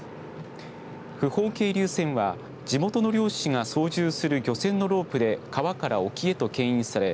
不法係留船は地元の漁師が操縦する漁船のロープで川から沖へとけん引され